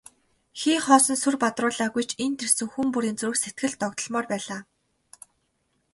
Хий хоосон сүр бадруулаагүй ч энд ирсэн хүн бүрийн зүрх сэтгэл догдолмоор байлаа.